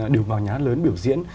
điều bảo nhà án lớn biểu diễn